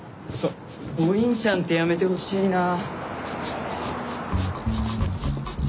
ボインちゃんってやめてほしいなぁ。